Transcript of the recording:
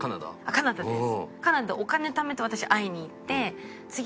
カナダです。